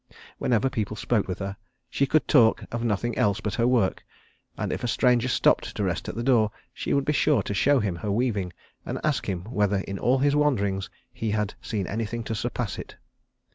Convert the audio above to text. Whenever people spoke with her, she could talk of nothing else but her work; and if a stranger stopped to rest at her door, she would be sure to show him her weaving and to ask him whether in all his wanderings he had seen anything to surpass it.